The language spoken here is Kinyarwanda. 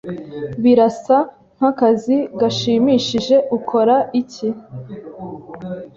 Birasa nkakazi gashimishije. Ukora iki?